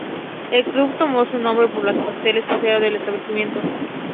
El club tomó su nombre por los pasteles de cordero del establecimiento.